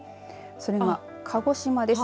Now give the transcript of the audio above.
それが鹿児島です。